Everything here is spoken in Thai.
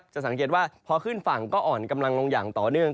จะสังเกตว่าพอขึ้นฝั่งก็อ่อนกำลังลงอย่างต่อเนื่อง